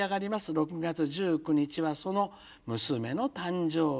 ６月１９日はその娘の誕生日。